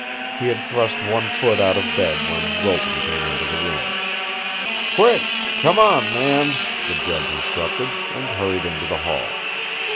He had thrust one foot out of bed when Wilton came into the room. "Quick! Come on, man!" the judge instructed, and hurried into the hall.